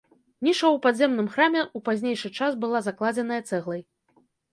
Ніша ў падземным храме ў пазнейшы час была закладзеная цэглай.